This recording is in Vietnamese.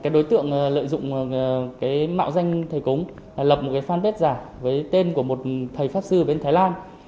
đối tượng lợi dụng mạo danh thầy cúng lập một fanpage giả với tên của một thầy pháp sư bên thái lan